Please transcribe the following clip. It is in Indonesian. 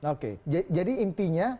oke jadi intinya